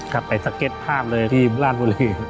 กลับไปสเก็ตภาพเลยทีมล่านบุรี